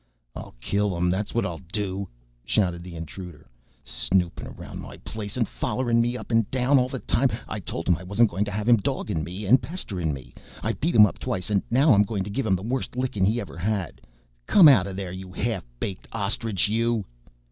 "I'll kill him, that's what I'll do!" shouted the intruder. "Snoopin' around my place, and follerin' me up an' down all the time! I told him I wasn't goin' to have him doggin' me an' pesterin' me. I've beat him up twice, an' now I'm goin' to give him the worst lickin' he ever had. Come out of there, you half baked ostrich, you."